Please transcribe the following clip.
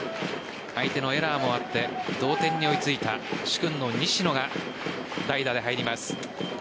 相手のエラーもあって同点に追いついた殊勲の西野が代打で入ります。